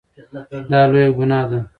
دا لویه ګناه ده.